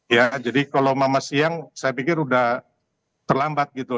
ya jadi kalau mama siang saya pikir sudah terlambat gitu